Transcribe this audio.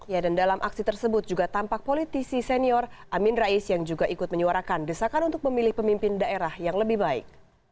ya dan dalam aksi tersebut juga tampak politisi senior amin rais yang juga ikut menyuarakan desakan untuk memilih pemimpin daerah yang lebih baik